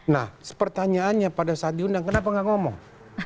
nah sepertanyaannya pada saat diundang kenapa enggak ngomong